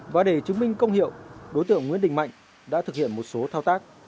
và để chứng minh công hiệu đối tượng nguyễn đình mạnh đã thực hiện một số thao tác